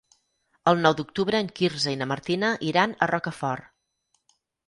El nou d'octubre en Quirze i na Martina iran a Rocafort.